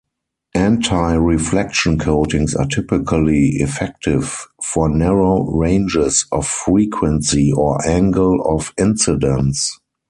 Antireflection coatings are typically effective for narrow ranges of frequency or angle of incidence.